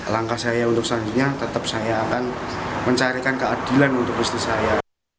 langkah saya untuk selanjutnya tetap saya akan mencarikan keadilan untuk istri saya